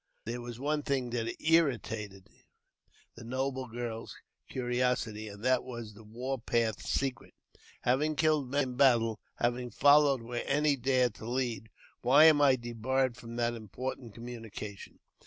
There was one thing that irritated the noble girl's curiosity, and that wa.s the war path secret. Having killed many in battle, having followed where any dared to lead, " Why am I debarred from that important communication?"